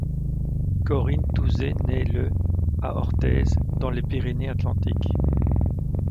Corinne Touzet naît le à Orthez, dans les Pyrénées-Atlantiques.